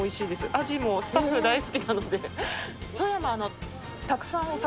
あじもスタッフ大好きなので。